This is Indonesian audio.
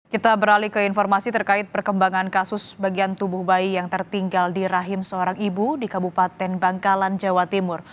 kita beralih ke informasi terkait perkembangan kasus bagian tubuh bayi yang tertinggal di rahim seorang ibu di kabupaten bangkalan jawa timur